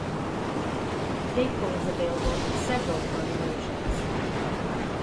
DayQuil is available in several formulations.